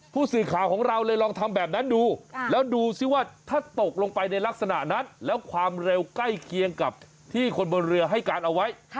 ผู้สื่อข่าวของเราเลยลองทำแบบนั้นดูแล้วดูซิว่าถ้าตกลงไปในลักษณะนั้นแล้วความเร็วใกล้เคียงกับที่คนบนเรือให้การเอาไว้